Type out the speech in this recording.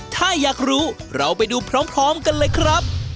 ถ้าอยากรู้เราไปดูพร้อมกันเลยครับ